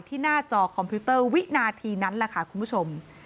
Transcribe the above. หน้าจอคอมพิวเตอร์วินาทีนั้นแหละค่ะคุณผู้ชม